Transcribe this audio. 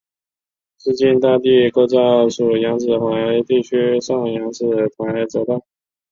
市境大地构造属扬子准地台上扬子台褶带。